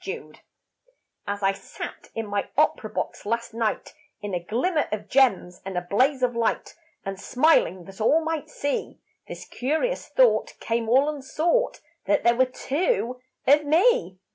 TWO As I sat in my opera box last night In a glimmer of gems and a blaze of light, And smiling that all might see, This curious thought came all unsought That there were two of me.